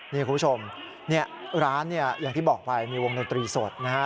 นี่คุณผู้ชมร้านเนี่ยอย่างที่บอกไปมีวงดนตรีสดนะฮะ